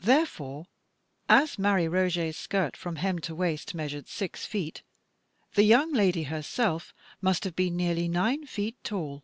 Therefore, as Marie Roget's skirt from hem to waist measured six feet, the yoimg lady herself must have been nearly nine feet tall!